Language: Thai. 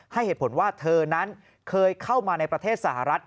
ให้เหตุผลว่าเธอนั้นเคยเข้ามาในประเทศสหรัฐ